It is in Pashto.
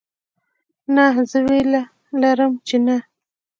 نه زه ویره لرم چې نه